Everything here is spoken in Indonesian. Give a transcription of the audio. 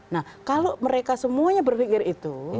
nah kalau mereka semuanya berpikir itu